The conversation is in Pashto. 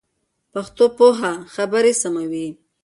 پښتو پوهه خبري سموي.